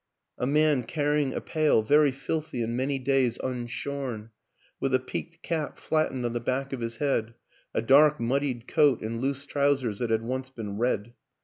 A man carrying a pail, very filthy and many days unshorn; with a peaked cap flattened on the back of his head, a dark muddied coat and loose trousers that had once been red.